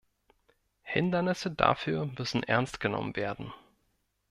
Hindernisse dafür müssen ernst genommen werden.